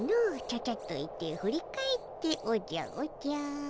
「ちゃちゃっと行って振り返っておじゃおじゃ」